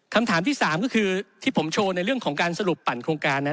คำถามที่สามก็คือที่ผมโชว์ในเรื่องของการสรุปปั่นโครงการนั้น